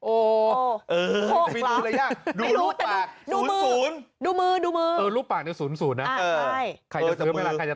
โอ้อะไรโอ้ย